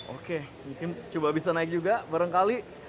oke mungkin bisa naik juga barengkali